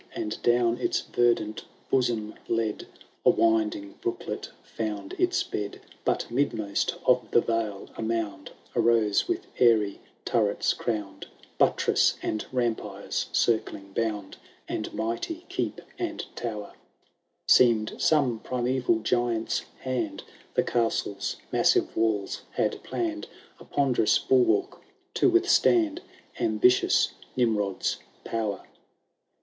And, down its verdant bosom led, A winding brooklet found its bed. But, midmost of the vale, a mound Arose with airy turrets crown 'd. Buttress, and rampire*s circling bound. And mighty keep and tower ; SeemM some primeval giant's hand The castle's massive walls had plann'd, A ponderous bulwark to withstand Ambitious Nimrod's power.